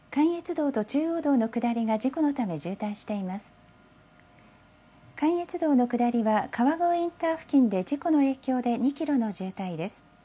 関越道の下りは川越インター付近で事故の影響で２キロの渋滞です。